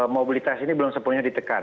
mobilitas ini belum sepenuhnya ditekan